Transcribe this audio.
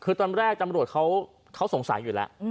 คือตอนแรกตำรวจเขาสงสัยอยู่แล้ว